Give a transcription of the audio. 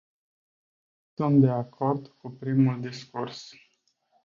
Sunt de acord cu primul discurs.